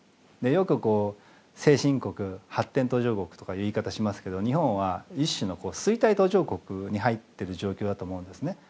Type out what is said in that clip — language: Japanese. よく先進国発展途上国とかいう言い方しますけど日本は一種の衰退途上国に入ってる状況だと思うんですね。